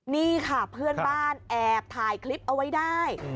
นี่ค่ะเพื่อนบ้านแอบถ่ายคลิปเอาไว้ได้